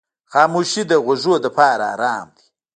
خاموشي د غوږو لپاره آرام دی.